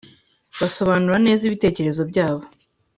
basobanura neza ibitekerezo byabo,